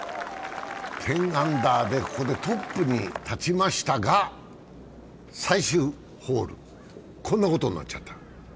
１０アンダーで、ここでトップに立ちましたが、最終ホール、こんなことになっちゃった。